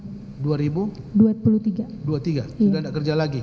sudah tidak kerja lagi